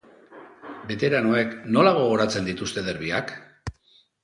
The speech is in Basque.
Beteranoek nola gogoratzen dituzte derbiak?